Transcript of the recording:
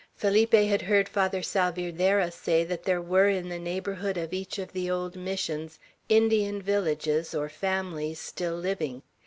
Felipe had heard Father Salvierderra say that there were in the neighborhood of each of the old Missions Indian villages, or families still living.